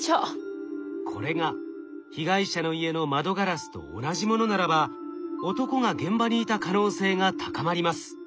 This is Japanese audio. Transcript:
これが被害者の家の窓ガラスと同じものならば男が現場にいた可能性が高まります。